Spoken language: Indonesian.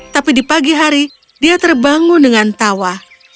tapi di pagi hari dia terbangun dengan tawa